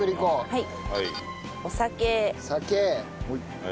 はい。